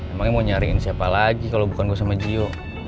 emangnya mau nyariin siapa lagi kalau bukan gue sama jio